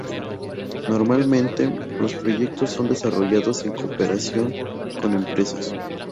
Normalmente, los proyectos son desarrollados en cooperación con empresas.